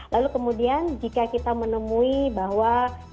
lalu kemudian jika kita menemui bahwa